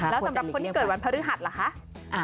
แล้วสำหรับคนที่เกิดวันพระฤาษฎร์เหรอคะ